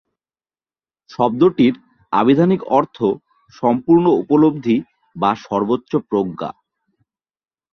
শব্দটির আভিধানিক অর্থ সম্পূর্ণ উপলব্ধি বা সর্বোচ্চ প্রজ্ঞা।